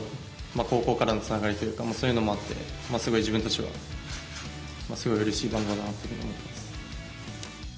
高校からのつながりというか、そういうものもあって、すごい自分としては、すごいうれしいかなと思っています。